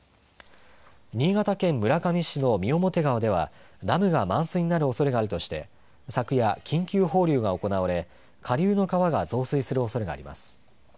新潟県村上市の三面川ではダムが満水になるおそれがあるとして昨夜、緊急放流が行われ下流の川が増水するおそれがあります。